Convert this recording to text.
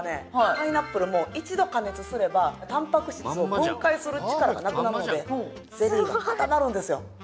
パイナップルも一度加熱すればタンパク質を分解する力がなくなるのでゼリーが固まるんですよ。